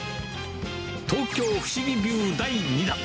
東京不思議ビュー第２弾。